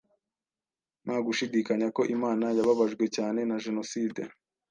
nta gushidikanya ko Imana yababajwe cyane na jenoside